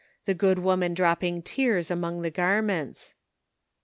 the good woman dropping tears among the garments.